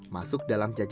masuk dalam jajaran kopi